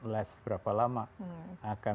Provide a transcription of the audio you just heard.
last berapa lama akan